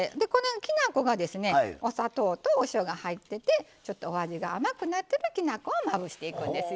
きな粉がですねお砂糖とお塩が入っててちょっとお味が甘くなってるきな粉をまぶしていくんですよ。